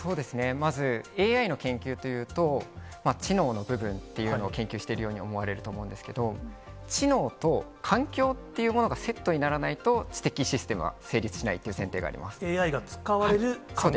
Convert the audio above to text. まずＡＩの研究というと、知能の部分っていうのを研究しているように思われると思うんですけれども、知能と環境っていうものがセットにならないと、知的システムは成立しないという前提があります。